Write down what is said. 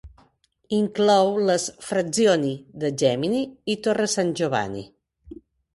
Inclou les "frazioni" de Gemini i Torre San Giovanni.